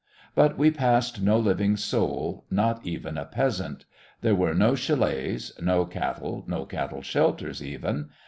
But we passed no living soul, not even a peasant; there were no chalets, no cattle, no cattle shelters even.